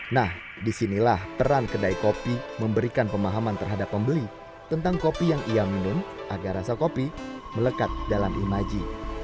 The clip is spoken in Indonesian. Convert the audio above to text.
nah disinilah peran kedai kopi memberikan pemahaman terhadap pembeli tentang kopi yang ia minum agar rasa kopi melekat dalam imaji